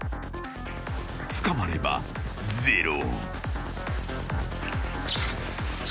捕まればゼロ］